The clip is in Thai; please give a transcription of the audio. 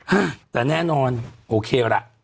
ฮะแต่แน่นอนโอเคล่ะ